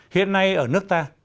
hiện nay ở nước ta